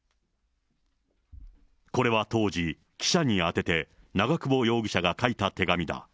これは当時、記者に宛てて、長久保容疑者が書いた手紙だ。